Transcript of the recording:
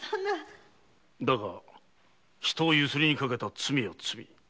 だが人をユスリにかけた罪は罪。